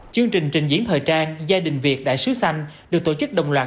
chương trình trình diễn thời trang gia đình việt đại sứ xanh được tổ chức đồng loạt